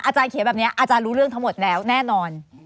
เขียนแบบนี้อาจารย์รู้เรื่องทั้งหมดแล้วแน่นอน